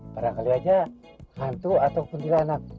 kadang kadang saja hantu atau kuntilanak